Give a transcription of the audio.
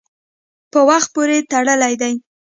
په وخت پورې تړلي دي.